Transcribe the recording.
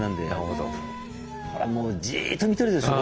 ほらもうじっと見てるでしょ